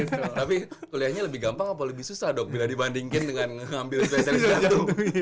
tapi kuliahnya lebih gampang apa lebih susah dok bila dibandingin dengan ambil spesialis jantung